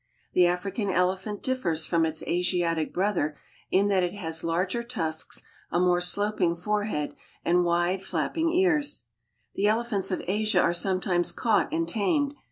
The L African elephant differs from its Asiatic brother in that It I has larger tusks, a more sloping forehead, and wide, flap ears. e elephants of Asia are sometimes caught and tamed.